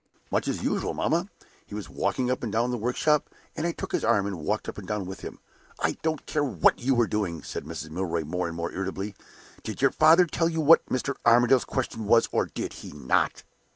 "Much as usual, mamma. He was walking up and down the workshop; and I took his arm and walked up and down with him." "I don't care what you were doing," said Mrs. Milroy, more and more irritably. "Did your father tell you what Mr. Armadale's question was, or did he not?"